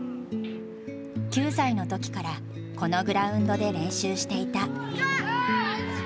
９歳の時からこのグラウンドで練習していた。